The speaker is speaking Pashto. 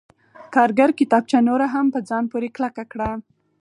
کارګر کتابچه نوره هم په ځان پورې کلکه کړه